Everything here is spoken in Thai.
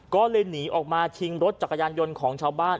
ก็เลยหนีออกมาชิงรถจักรยานยนต์ของชาวบ้าน